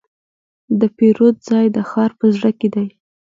د پیرود ځای د ښار په زړه کې دی.